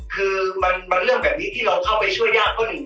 คือมันเรื่องแบบนี้ที่เราเข้าไปช่วยยากเพราะหนึ่ง